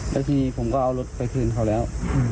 แล้วทีผมก็เอารถไปคืนเขาแล้ว